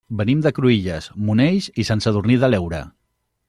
Venim de Cruïlles, Monells i Sant Sadurní de l'Heura.